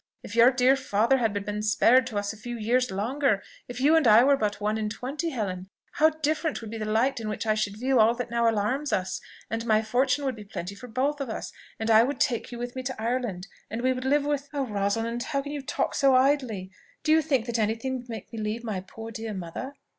If your dear father had but been spared to us a few years longer, if you and I were but one and twenty Helen, how different would be the light in which I should view all that now alarms us; my fortune would be plenty for both of us, and I would take you with me to Ireland, and we would live with " "Oh Rosalind! how can you talk so idly? Do you think that any thing would make me leave my poor dear mother?"